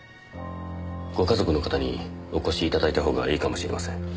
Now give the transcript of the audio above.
ご家族の方にお越し頂いた方がいいかもしれません。